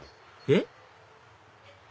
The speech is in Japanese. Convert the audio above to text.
えっ？